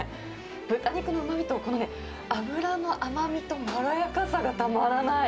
豚肉のうまみと、このね、脂の甘みとまろやかさがたまらない。